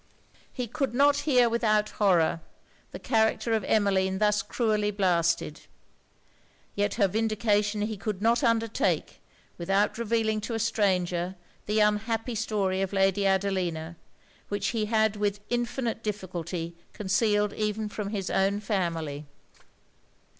He could not hear without horror the character of Emmeline thus cruelly blasted; yet her vindication he could not undertake without revealing to a stranger the unhappy story of Lady Adelina, which he had with infinite difficulty concealed even from his own family.